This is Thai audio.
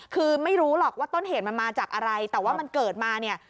คือไม่รู้หรอกว่าต้นเหตุมันมาจากอะไรแต่ว่ามันเกิดมาเนี่ย